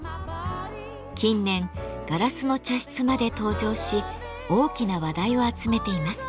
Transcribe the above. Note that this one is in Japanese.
近年ガラスの茶室まで登場し大きな話題を集めています。